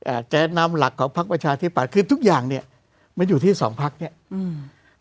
จะนำหลักของพักประชาธิปัตย์คือทุกอย่างเนี้ยมันอยู่ที่สองพักเนี้ยอืม